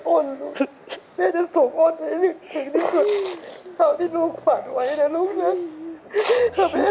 ครับลูกแม่จะส่งโอนให้ถึงที่สุดเท่าที่ลูกขวัญไว้นะลูกนะถ้าแม่ทำได้